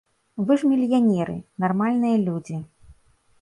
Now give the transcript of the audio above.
Вы ж мільянеры, нармальныя людзі.